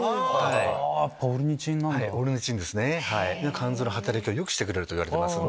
肝臓の働きをよくしてくれるといわれてます。